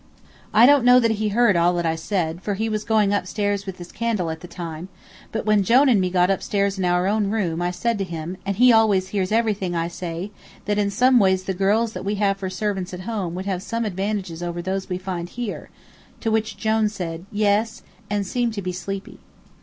I don't know that he heard all that I said, for he was going up stairs with his candle at the time, but when Jone and me got up stairs in our own room I said to him, and he always hears everything I say, that in some ways the girls that we have for servants at home have some advantages over those we find here; to which Jone said, "Yes," and seemed to be sleepy.